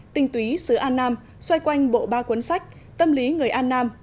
tinh túy sứ an nam xoay quanh bộ ba cuốn sách tâm lý người an nam